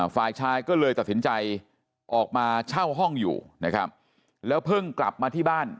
ฝ่ายชายก็เลยตัดสินใจออกมาเช่าห้องอยู่นะครับแล้วเพิ่งกลับมาที่บ้าน